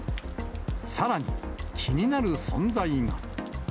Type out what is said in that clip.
さらに、気になる存在が。